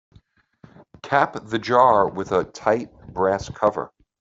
Cap the jar with a tight brass cover.